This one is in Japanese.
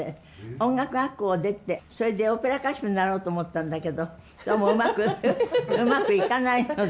音楽学校を出てそれでオペラ歌手になろうと思ったんだけどどうもうまくうまくいかないので。